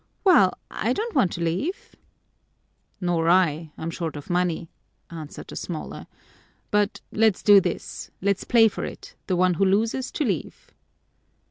Well, I don't want to leave." "Nor I. I'm short of money," answered the smaller. "But let's do this: let's play for it, the one who loses to leave."